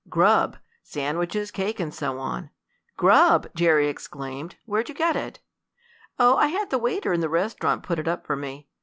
"Grub! Sandwiches, cake and so on." "Grub!" Jerry exclaimed. "Where'd you get it?" "Oh, I had the waiter in the restaurant put it up for me.